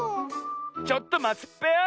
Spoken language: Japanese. ちょっとまつっぺよ！